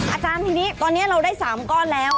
อาจารย์ทีนี้ตอนนี้เราได้๓ก้อนแล้ว